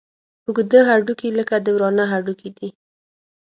اوږده هډوکي لکه د ورانه هډوکي دي.